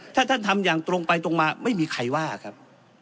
ถ้าท่านทำอย่างตรงไปตรงมาไม่มีใครว่าครับ